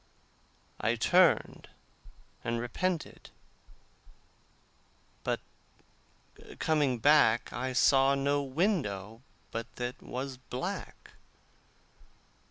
I turned and repented, but coming back I saw no window but that was black.